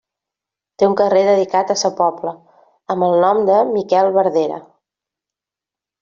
Té un carrer dedicat a sa Pobla, amb el nom de Miquel Verdera.